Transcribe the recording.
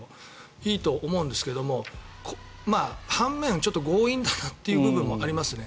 いいと思うんですが半面、ちょっと強引だなという部分もありますね。